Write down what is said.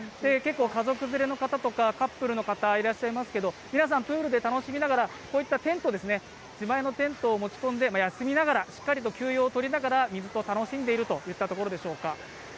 家族連れの方、カップルの方、いらっしゃいますけれども、皆さんプールで楽しみながら、こういった自前のテントを持ち込んで休みながら、しっかりと休養を取りながら水と楽しんでいるといったところでしょうか。